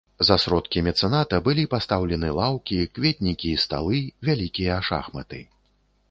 За сродкі мецэната былі пастаўлены лаўкі, кветнікі і сталы, вялікія шахматы.